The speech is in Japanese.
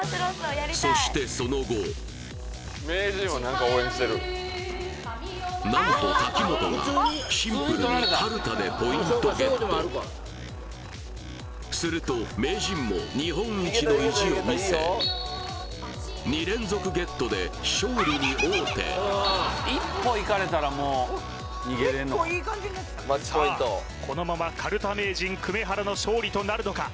そしてその後ちはやぶるかみよも何と瀧本がシンプルにかるたでポイントゲットすると名人も日本一の意地を見せ２連続ゲットで勝利に王手さあこのままかるた名人粂原の勝利となるのか？